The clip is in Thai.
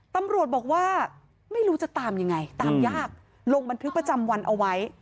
ตำรวจบอกว่าไม่รู้จะตามยังไงตามยากลงบันทึกประจำวันเอาไว้